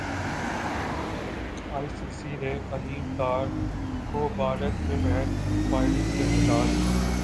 ائی C C نے علیم ڈار کو بھارت میں میچ امپائرنگ سے ہٹا دیا